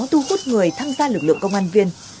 thu hút người tham gia lực lượng công an viên